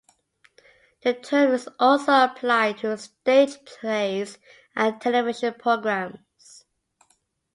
The term is also applied to stage plays and television programs.